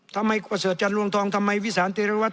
ทำไมปราศิษย์จันทรทำไมวิสานเตรียงราวรรดิ